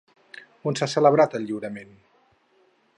On s'ha celebrat el lliurament?